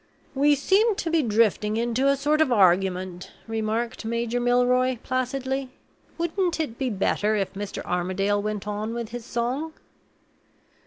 "We seem to be drifting into a sort of argument," remarked Major Milroy, placidly. "Wouldn't it be better if Mr. Armadale went on with his song?"